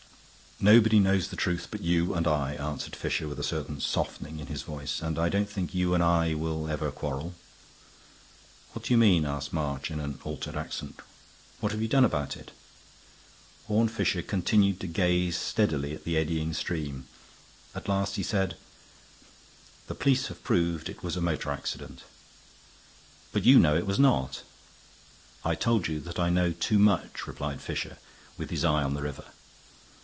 "Nobody knows the truth but you and I," answered Fisher, with a certain softening in his voice. "And I don't think you and I will ever quarrel." "What do you mean?" asked March, in an altered accent. "What have you done about it?" Horne Fisher continued to gaze steadily at the eddying stream. At last he said, "The police have proved it was a motor accident." "But you know it was not." "I told you that I know too much," replied Fisher, with his eye on the river.